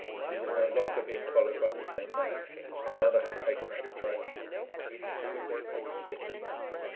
He was no longer being followed by the same man; another had taken up the trail. It figured; it figured.